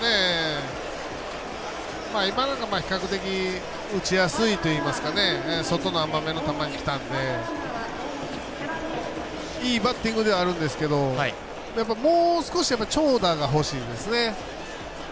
今のなんかは比較的打ちやすいといいますか外の甘めの球きたんでいいバッティングではあるんですけどもう少し長打が欲しいですね。